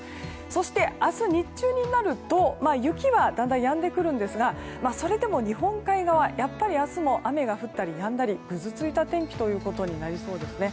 そして、明日日中になると雪はだんだんやんでくるんですがそれでも日本海側やっぱり明日も雨が降ったりやんだりぐずついた天気となりそうですね。